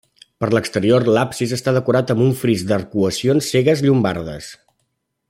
Per l'exterior l'absis està decorat amb un fris d'arcuacions cegues llombardes.